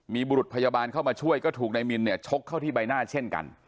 มีบุรุษพยาบาลเข้ามาช่วยก็ถูกนายมินเนี่ยชกเข้าที่ใบหน้าเช่นกัน